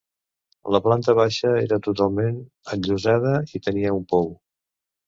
La planta baixa era totalment enllosada i tenia un pou.